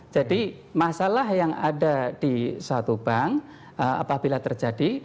jadi masalah yang ada di suatu bank apabila terjadi